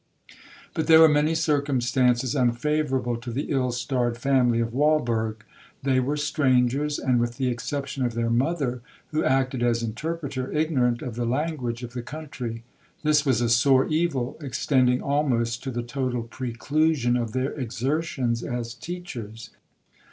But there were many circumstances unfavourable to the ill starred family of Walberg. They were strangers, and, with the exception of their mother, who acted as interpreter, ignorant of the language of the country. This was 'a sore evil,' extending almost to the total preclusion of their exertions as teachers.